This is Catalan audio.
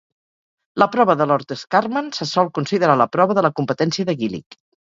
La prova de Lord Scarman se sol considerar la prova de la "competència de Gillick".